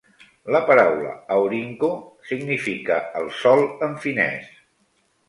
La paraula "Aurinko" significa "El Sol" en finès.